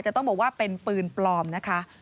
แต่ต้องบอกว่าเป็นปืนปลอมนะคะ